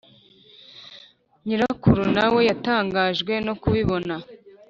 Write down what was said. Nyirakuru na we yatangajwe no kubibona